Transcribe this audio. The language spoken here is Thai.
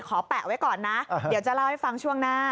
แปะไว้ก่อนนะเดี๋ยวจะเล่าให้ฟังช่วงหน้า